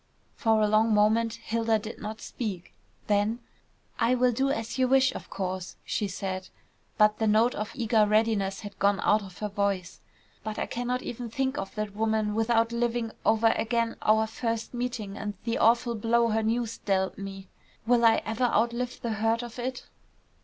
For a long moment Hilda did not speak, then "I will do as you wish, of course," she said, but the note of eager readiness had gone out of her voice. "But I cannot even think of that woman without living over again our first meeting and the awful blow her news dealt me. Will I ever outlive the hurt of it?"